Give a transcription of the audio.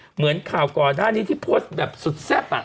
เหมือนข่าวกรด้านนี้ที่โพสต์แบบสุดแซ่บอะ